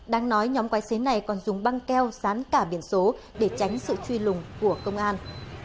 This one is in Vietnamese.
đáng nói nhóm quái xế này còn dùng băng keo dán cả biển số để tránh sự truy lùng của công an